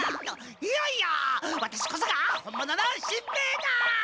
いやいやワタシこそが本物のしんべヱだ！